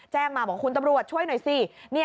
มาบอกคุณตำรวจช่วยหน่อยสิ